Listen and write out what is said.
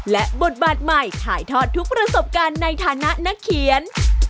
และบทบาทใหม่ถ่ายทอดทุกประสบการณ์ในฐานะนักเขียน